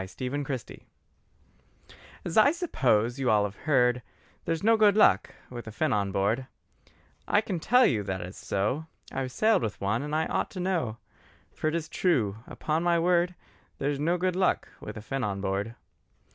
THE WIZARD FINN As I suppose, you all have heard There's no good luck with a Finn on board, I can tell you that is so. I've sailed with one and I ought to know: For it is true, upon my word, There's no good luck with a Finn on board.